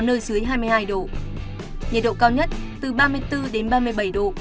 nhiệt độ cao nhất từ ba mươi một đến ba mươi bốn độ